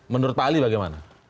menurut pak ali bagaimana